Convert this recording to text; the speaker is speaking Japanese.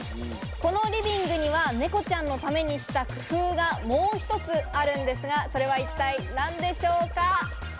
このリビングにはネコちゃんのためにした工夫がもう一つあるんですが、それは一体何でしょうか？